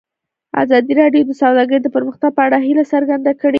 ازادي راډیو د سوداګري د پرمختګ په اړه هیله څرګنده کړې.